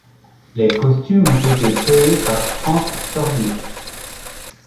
Les costumes ont été créés par Franck Sorbier.